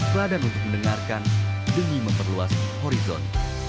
peladan untuk mendengarkan dengi memperluas horizon